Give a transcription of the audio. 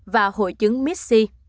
và hội chứng mis c